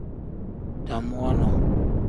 Dam wonoo.